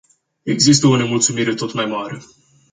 Există o nemulțumire tot mai mare.